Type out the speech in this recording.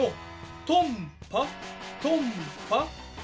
トンパトンパ。